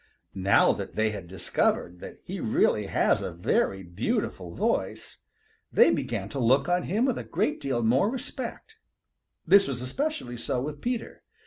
Now that they had discovered that he really has a very beautiful voice, they began to look on him with a great deal more respect. This was especially so with Peter.